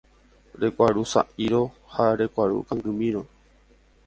Rekuarusa'írõ ha rekuaru kangymírõ.